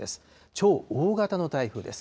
超大型の台風です。